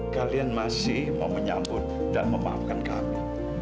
kalian masih mau menyambut dan memaafkan kami